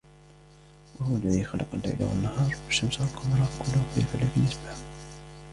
وهو الذي خلق الليل والنهار والشمس والقمر كل في فلك يسبحون